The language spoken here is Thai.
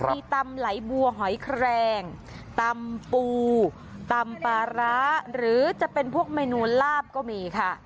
มีตำไหลบัวหอยแครงตำปูตำปลาร้าหรือจะเป็นพวกเมนูลาบก็มีค่ะ